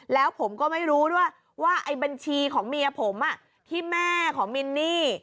แล้วผมก็ไม่รู้ด้วยว่าไอ้บัญชีของเมียผมที่แม่ของมินนี่